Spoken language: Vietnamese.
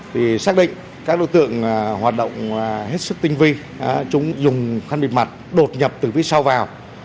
thì xác định các đối tượng hoạt động hết sức tinh vi chúng dùng khăn bịt mặt đột nhập từ phía sau vào